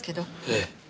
ええ。